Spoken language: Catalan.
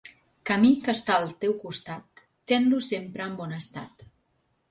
Camí que està al teu costat, ten-lo sempre en bon estat.